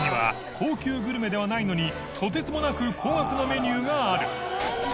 高級グルメではないのに箸討弔發覆高額なメニューがある磴世